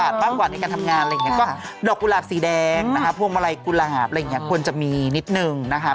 อ๋อต้องเป็นมะม่วงสุกหรือมะม่วงดิบ